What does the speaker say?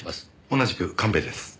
同じく神戸です。